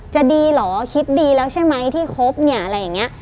จะดีเหรอคิดดีแล้วใช่ไหมที่คบเนี่ยอะไรอย่างนี้